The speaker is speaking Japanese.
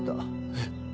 えっ？